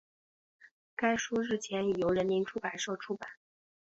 该书日前已由人民出版社出版